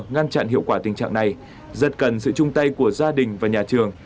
ngăn chặn hiệu quả tình trạng này rất cần sự chung tay của gia đình và nhà trường